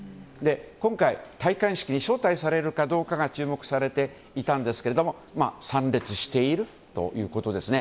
今回、戴冠式に招待されるかどうかが注目されていたんですけれども参列しているということですね。